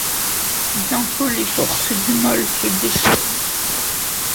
Bientôt les forces du mal se déchaînent…